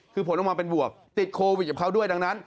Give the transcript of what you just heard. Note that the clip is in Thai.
คือผลออกมาเป็นบวกติดโควิดกับเขาด้วยดังนั้น